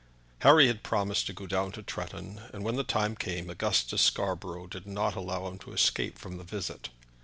Harry had promised to go down to Tretton, and when the time came Augustus Scarborough did not allow him to escape from the visit.